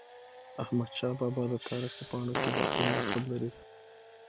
احمدشاه بابا د تاریخ په پاڼو کي د اتل لقب لري.